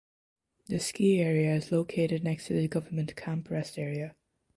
The ski area is located next to the Government Camp Rest Area.